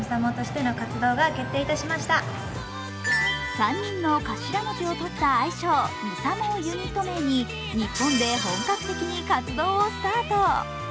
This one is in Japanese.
３人の頭文字をとった愛称ＭＩＳＡＭＯをユニット名に日本で本格的に活動をスタート。